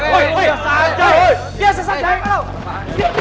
woy dia sesat jahat